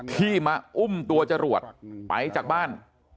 ที่มาอุ้มตัวจรวดไปจากบ้าน